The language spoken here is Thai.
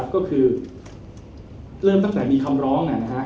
ก็คือเริ่มตั้งแต่มีคำร้อง